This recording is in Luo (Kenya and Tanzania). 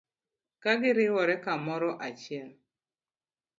Ka giriwore kamoro achie